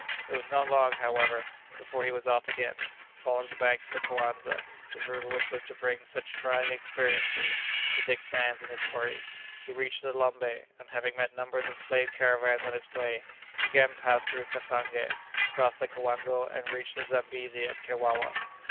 It was not long, however, before he was off again. Following the banks of the Coanza, the river which was to bring such trying experiences to Dick Sands and his party, he reached the Lombé, and having met numbers of slave caravans on his way, again passed through Cassange, crossed the Coango, and reached the Zambesi at Kewawa.